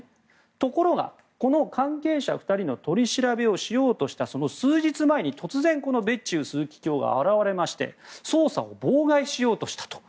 ところが、この関係者２人の取り調べをしようとした数日前に突然ベッチウ枢機卿が現れまして捜査を妨害しようとしたと。